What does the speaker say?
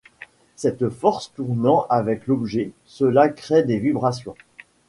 Cette force tournant avec l'objet, cela crée des vibrations.